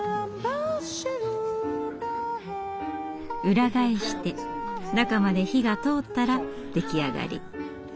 裏返して中まで火が通ったら出来上がり。